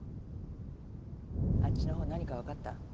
あっちのほう何かわかった？